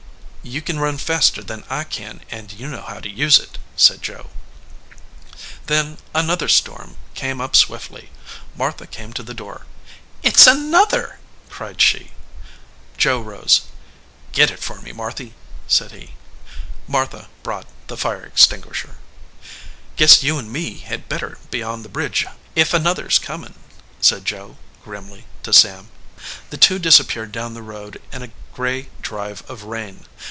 "You can run faster than I can, and you know how to use it," said Joe. Then another storm came up swiftly. Martha came to the door. "It s another!" cried she. Joe rose. "Get it for me, Marthy," said he. Martha brought the fire extinguisher. "Guess you and me had better be on the bridge ef another s comin ," said Joe, grimly, to Sam. The two disappeared down the road in a gray drive of rain.